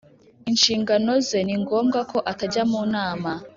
inshingano ze ni ngombwa ko atajya mu nama